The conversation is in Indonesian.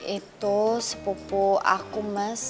itu sepupu aku mas